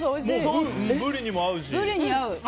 ブリにも合うし。